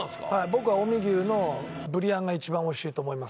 僕は近江牛のブリアンが一番おいしいと思います